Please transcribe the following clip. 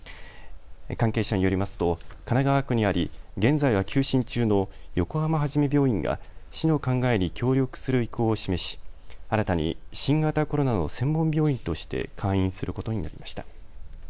関係者によりますと神奈川区にあり、現在は休診中の横浜はじめ病院が市の考えに協力する意向を示し新たに新型コロナの専門病院として開院することになりました。